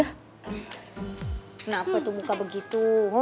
kenapa tuh muka begitu